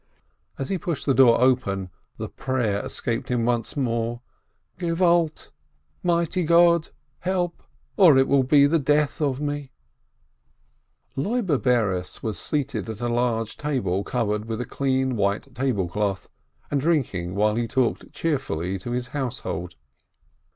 As he pushed the door open, the "prayer" escaped him once more, "Help, mighty God ! or it will be the death of me !" Loibe Bares was seated at a large table covered with a clean white table cloth, and drinking while he talked cheerfully with his household.